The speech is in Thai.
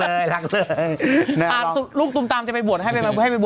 ไม่ใช่พี่สามารถปฏิบัติโดบโดบโดบ